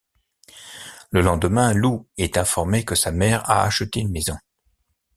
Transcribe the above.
Le lendemain, Lou est informée que sa mère a acheté une maison.